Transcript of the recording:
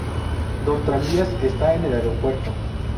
Dos tranvías están en el aeropuerto.